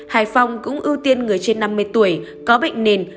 hải phòng cũng ưu tiên người trên năm mươi tuổi có bệnh nền